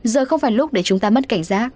giờ không phải lúc để chúng ta mất cảnh giác